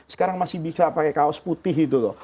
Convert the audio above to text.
sekarang masih bisa pakai kaos putih gitu loh